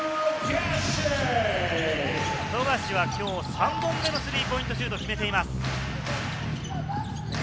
富樫は今日、３本目のスリーポイントシュートを決めています。